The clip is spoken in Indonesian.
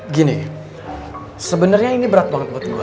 gini sebenernya ini berat banget buat gua